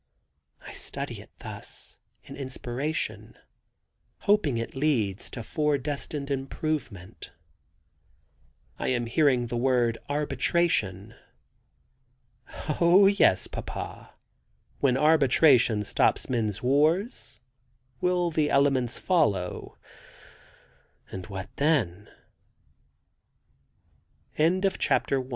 I study it thus, in inspiration, hoping it leads to fore destined improvement. I am hearing the word Arbitration. "Oh, yes, papa; when arbitration stops men's wars, will the elements follow, and what then?" [Illustration: Deco